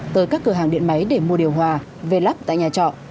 tới các cửa hàng điện máy để mua điều hòa về lắp tại nhà trọ